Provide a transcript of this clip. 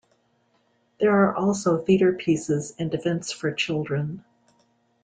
There are also theatre pieces and events for children.